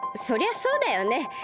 そりゃそうだよね。